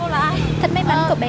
liệu có phải bé trai này